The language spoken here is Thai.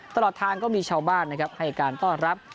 ตลอดทางก็มีชาวบ้านนะครับให้การต้อนรับ